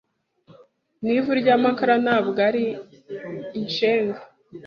ni ivu ry’amakara ntabwo ari incenga,